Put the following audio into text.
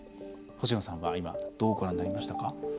星野さんは今どうご覧になりましたか？